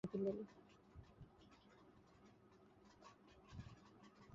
অনন্তর স্বামীজী সর্বদর্শনের কঠিন বিষয়সকলের বিচার ও সিদ্ধান্তগুলি শিষ্যকে বলিতে লাগিলেন।